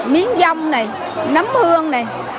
miếng dông này nấm hương này